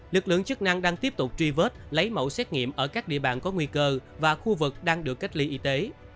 lực lượng chức năng đang tiếp tục truy vết lấy mẫu xét nghiệm ở các địa bàn có nguy cơ và khu vực đang được cách ly y tế